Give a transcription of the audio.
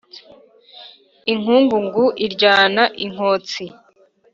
Inkungugu iryana i Nkotsi